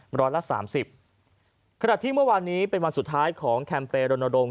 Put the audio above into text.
ขนาดที่เมื่อวานนี้เป็นวันสุดท้ายของแคมเปย์รณรงค์